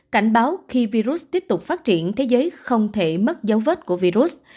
cảnh báo khi virus tiếp tục phát triển thế giới không thể mất dấu vết của virus